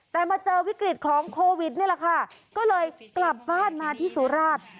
แต่มาเจอวิกฤตของโควิดนี่แหละค่ะก็เลยกลับบ้านมาที่สุราช